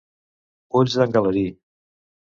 Ulls d'en Galerí.